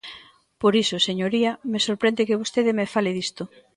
Por iso, señoría, me sorprende que vostede me fale disto.